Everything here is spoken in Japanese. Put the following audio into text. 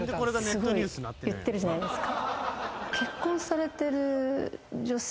すごい言ってるじゃないですか。